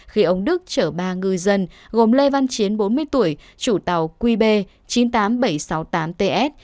khi ông đức chở ba ngư dân gồm lê văn chiến bốn mươi tuổi chủ tàu qb chín mươi tám nghìn bảy trăm sáu mươi tám ts